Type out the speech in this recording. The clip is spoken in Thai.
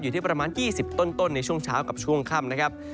อยู่ที่ประมาณ๒๐ต้นในช่วงเช้ากับช่วงค่ำนะครับ